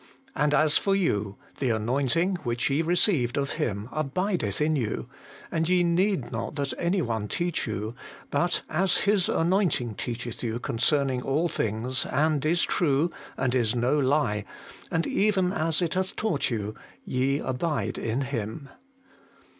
And as for you, the anointing which ye received of Him abiddth in you, and ye need not that any one teach you ; but as His anointing teacheth you concerning all things, and is true, and is no lie, and even as it taught you, ye abide in Him.'